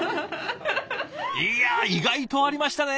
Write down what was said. いや意外とありましたね！